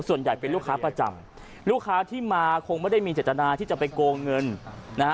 ส่วนใหญ่เป็นลูกค้าประจำลูกค้าที่มาคงไม่ได้มีเจตนาที่จะไปโกงเงินนะฮะ